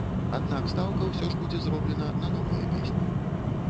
Аднак, стаўка ўсё ж будзе зроблена на новыя песні.